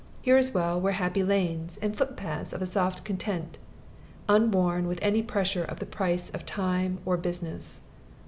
Here, as well, were happy lanes, and footpaths of a soft content, unworn with any pressure of the price of time or business.